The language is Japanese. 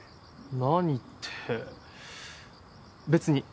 何って別に。